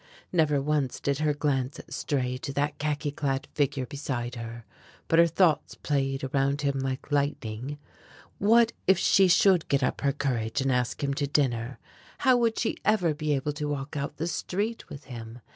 Never once did her glance stray to that khaki clad figure beside her, but her thoughts played around him like lightning. What if she should get up her courage and ask him to dinner, how would she ever be able to walk out the street with him!